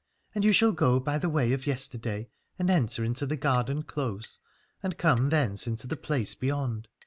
And you shall go by the way of yesterday, and enter into the garden close and come thence into the place beyond.